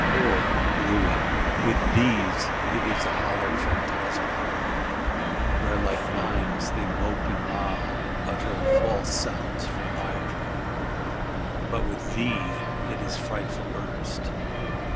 Poor Louis! With these it is a hollow phantasmagory, where like mimes they mope and mowl, and utter false sounds for hire; but with thee it is frightful earnest.